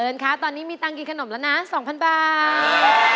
คะตอนนี้มีตังค์กินขนมแล้วนะ๒๐๐บาท